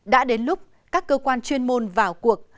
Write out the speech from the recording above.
đã đến lúc các cơ quan chuyên môn vào cuộc